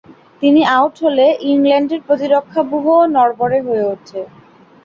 তিনি আউট হলে ইংল্যান্ডের প্রতিরক্ষাব্যূহও নড়বড়ে হয়ে উঠে।